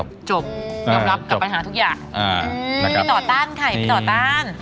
พี่จอเขาเรื่อยแบบพักเงินแล้วนะ